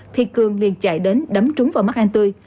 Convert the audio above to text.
thì cường liền chạy đến đấm trúng vào mắt anh tươi